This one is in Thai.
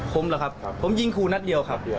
ผมเหรอครับผมยิงครูนัดเดียวครับ